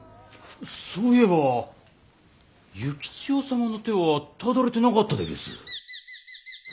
そういえば幸千代様の手はただれてなかったでげす。